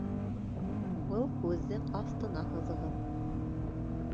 Был һүҙҙең аҫтына һыҙығыҙ